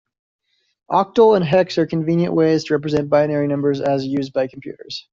Octal and hex are convenient ways to represent binary numbers, as used by computers.